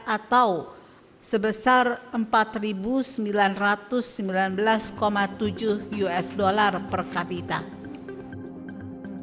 atau sebesar rp empat sembilan ratus sembilan belas tujuh triliun